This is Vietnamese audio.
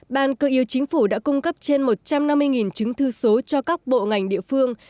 ban cơ yếu chính phủ đã cung cấp trên một trăm năm mươi chứng thư số cho các bộ ngành địa phương